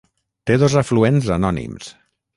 Té dos afluents anònims.